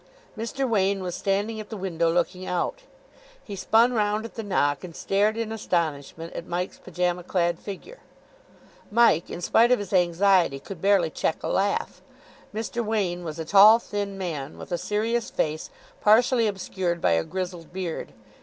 Mr. Wain was standing at the window, looking out. He spun round at the knock, and stared in astonishment at Mike's pyjama clad figure. Mike, in spite of his anxiety, could barely check a laugh. Mr. Wain was a tall, thin man, with a serious face partially obscured by a grizzled beard.